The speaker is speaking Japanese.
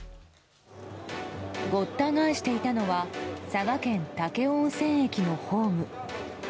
ごった返したのは佐賀県武雄温泉駅のホーム。